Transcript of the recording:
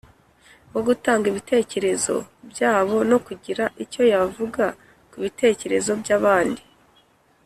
wo gutanga ibitekerezo byabo no kugira icyo yavuga ku bitekerezo by’abandi.